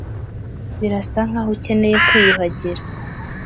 Birasa nkaho ukeneye kwiyuhagira.